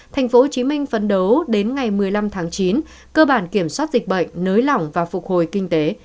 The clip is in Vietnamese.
tp hcm phấn đấu đến ngày một mươi năm chín cơ bản kiểm soát dịch bệnh nới lỏng và phục hồi kinh tế